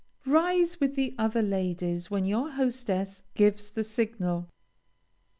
Rise with the other ladies when your hostess gives the signal.